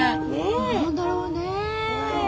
何だろうね？